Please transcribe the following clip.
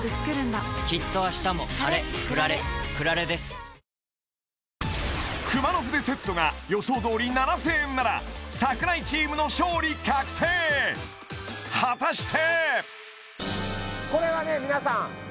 毎日コツコツからだのこと熊野筆セットが予想どおり７０００円なら櫻井チームの勝利確定果たして？